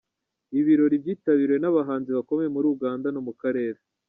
Ibi birori byitabiriwe n’abahanzi bakomeye muri Uganda no mu karere.